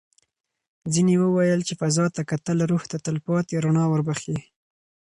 ځینې وویل چې فضا ته کتل روح ته تل پاتې رڼا وربښي.